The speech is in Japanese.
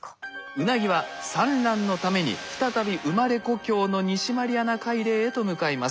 ウナギは産卵のために再び生まれ故郷の西マリアナ海嶺へと向かいます。